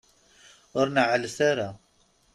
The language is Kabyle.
Ur neɛɛlet ara.